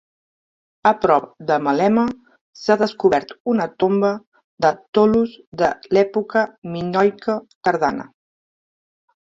A prop de Maleme, s'ha descobert una tomba de tolos de l'època minoica tardana.